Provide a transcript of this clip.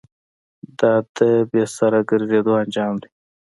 دا د بې سره گرځېدو انجام دی.